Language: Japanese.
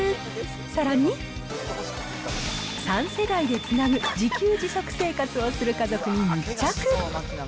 さらに、３世代でつなぐ自給自足生活をする家族に密着。